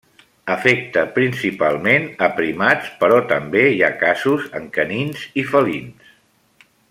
Afecta principalment a primats però també hi ha casos en canins i felins.